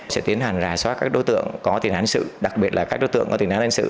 sẽ tiến hành rà soát các đối tượng có tình án an sự đặc biệt là các đối tượng có tình án an sự